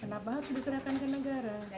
kenapa harus diserahkan ke negara